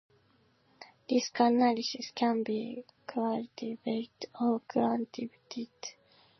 Risk analysis can be qualitative or quantitative.